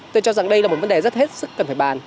tôi cho rằng đây là một vấn đề rất hết sức cần phải bàn